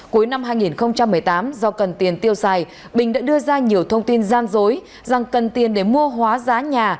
cuối năm hai nghìn một mươi tám do cần tiền tiêu xài bình đã đưa ra nhiều thông tin gian dối rằng cần tiền để mua hóa giá nhà